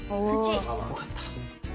よかった。